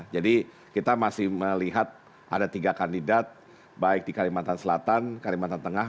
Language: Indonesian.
jadi kita masih melihat ada tiga kandidat baik di kalimantan selatan kalimantan tengah